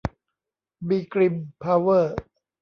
บี กริม เพาเวอร์